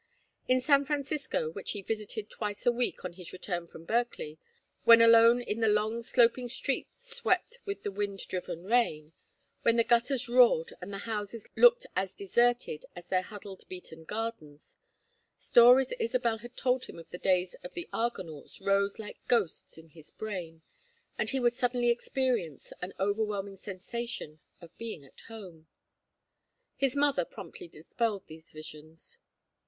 In San Francisco, which he visited twice a week on his return from Berkeley, when alone in the long sloping streets swept with the wind driven rain, when the gutters roared and the houses looked as deserted as their huddled beaten gardens, stories Isabel had told him of the days of the Argonauts rose like ghosts in his brain, and he would suddenly experience an overwhelming sensation of being at home. His mother promptly dispelled these visions.